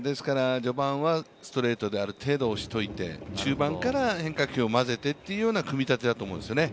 序盤はストレートである程度押しておいて中盤から変化球を混ぜてというような組み立てだと思うんです。